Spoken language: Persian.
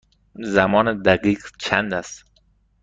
زمان دقیق چند است؟